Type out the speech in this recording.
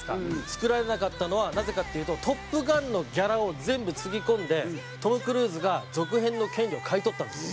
作られなかったのはなぜかっていうと『トップガン』のギャラを全部つぎ込んでトム・クルーズが続編の権利を買い取ったんです。